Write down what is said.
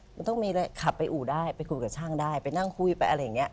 มันต้องมีอะไรขับไปอู่ได้ไปคุยกับช่างได้ไปนั่งคุยไปอะไรอย่างนี้